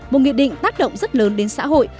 một nghị định tác động rất lớn đến xã hội